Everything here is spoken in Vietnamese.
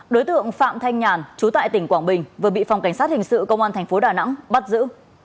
đối tượng phạm thanh nhàn chú tại tỉnh quảng bình vừa bị phòng cảnh sát hình sự công an thành phố đà nẵng bắt giữ